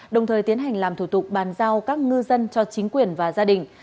đồng thời tiến hành làm thủ tục bàn giao các ngư dân cho chính quyền và gia đình